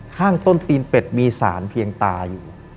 ข้างต้นตีนเป็ดมีสารเพียงตาอยู่